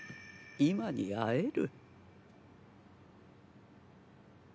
今に会える。